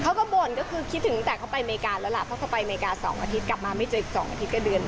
บ่นก็คือคิดถึงตั้งแต่เขาไปอเมริกาแล้วล่ะเพราะเขาไปอเมริกา๒อาทิตย์กลับมาไม่เจออีก๒อาทิตย์ก็เดือน